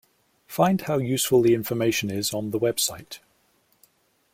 Find how useful the information is on the website.